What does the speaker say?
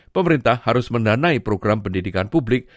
pemerintah harus mendanai program pendidikan publik